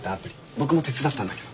僕も手伝ったんだけど。